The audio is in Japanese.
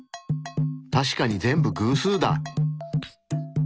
確かに全部偶数だ！